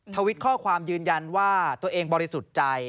ทวิตข้อความยืนยันว่าตัวเองบริสุทธิ์ใจ